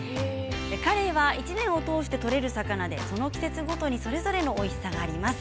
カレイは１年を通して取れる魚でその季節ごとにそれぞれのおいしさがあります。